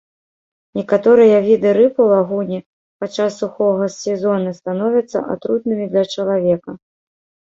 Некаторыя віды рыб у лагуне падчас сухога сезону становяцца атрутнымі для чалавека.